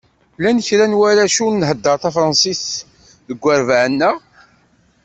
Llan kra n warrac ur nhedder tafransist deg terbaεt-nneɣ.